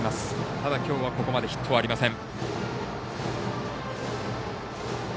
ただ、きょうはここまでヒットがありません。